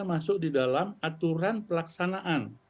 masuk di dalam aturan pelaksanaan